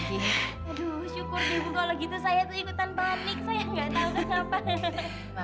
aduh syukur bu kalau gitu saya tuh ikutan bonik saya gak tahu kenapa